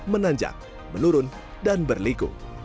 menanjak menurun dan berliku